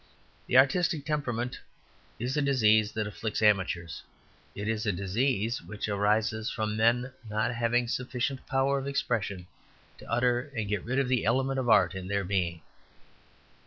The artistic temperament is a disease that afflicts amateurs. It is a disease which arises from men not having sufficient power of expression to utter and get rid of the element of art in their being.